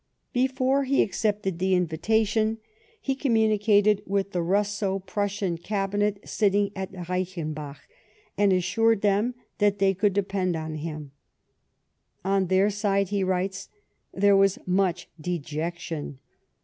Before he accepted the invitation he coir THE ARMISTICE OF PLEISWITZ. 109 municated with the Kusso Prusslan cabinet sitting at Rcichenbach, and assured them that they could depend on him. On their side, he writes, "there was much dejection."